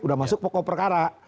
udah masuk pokok perkara